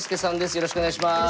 よろしくお願いします。